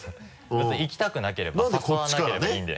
別に行きたくなければ誘わなければいいんで。